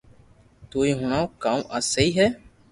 تو ھي ھڻاو ڪاو آ سھي ھي